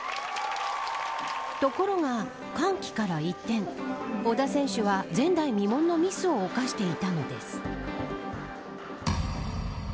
ところが、歓喜から一転織田選手は前代未聞のミスを犯していたのです。